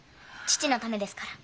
父のためですから。